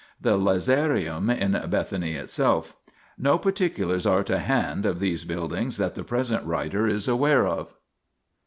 The Lazarium in Bethany itself. No particulars are to hand of these buildings that the present writer is aware of.